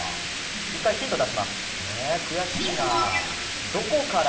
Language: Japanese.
１回ヒント出します。